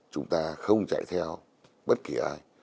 chúng ta không chạy theo bất kỳ ai